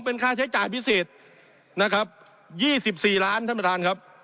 เป็นค่าใช้จ่ายพิเศษนะครับ๒๔ล้านท่านประธานครับ